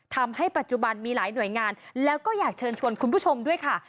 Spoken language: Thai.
ทำให้ปัจจุบันมีหลายหน่วยงานแล้วก็อยากเชิญชวนคุณผู้ชมด้วยค่ะ